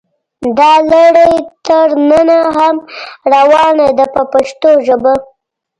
دا لړۍ تر ننه هم روانه ده په پښتو ژبه.